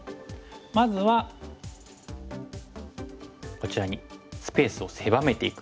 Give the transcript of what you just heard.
まずはこちらにスペースを狭めていく打ち方ですね。